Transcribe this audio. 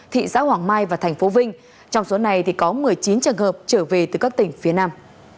thị xã hoàng mai và thành phố vinh trong số này có một mươi chín trường hợp trở về từ các tỉnh phía nam